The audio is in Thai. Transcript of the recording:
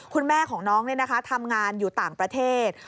คุณแม่ของน้องทำงานอยู่ต่างประเทศ